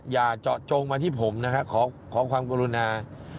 อย่าเจาะจงมาที่ผมนะฮะขอความกรุณา